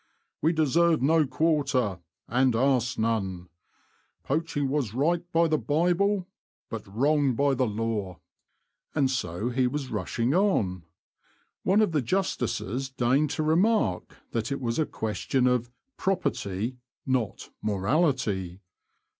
'' We deserved no quarter, and asked none. Poaching was right by the Bible, but wrong by the law," — and so he was rushing on. One of the Justices deigned to remark that it was a question of ''property" not morality.